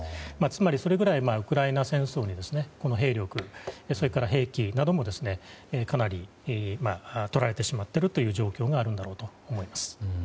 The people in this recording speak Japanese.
つまりそれぐらいウクライナ戦争に兵力、兵器などをかなりとられてしまっている状況があるんだろうと思います。